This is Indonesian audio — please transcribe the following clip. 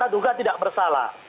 praduga tidak bersalah